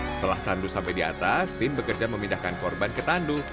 setelah tandu sampai di atas tim bekerja memindahkan korban ke tandu